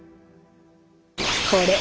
これ！